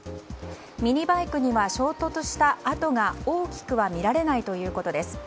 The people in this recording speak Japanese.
ミニバイクには衝突した跡が大きくは見られないということです。